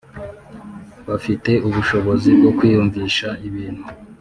bafite ubushobozi bwo kwiyumvisha ibintu.